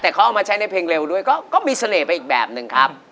แต่เขาเอามาใช้ในเพลงเร็วด้วยก็มีเสน่ห์ไปอีกแบบหนึ่งครับ